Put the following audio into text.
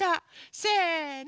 せの！